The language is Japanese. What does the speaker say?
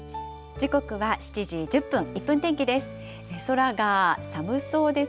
時刻は７時１０分、１分天気です。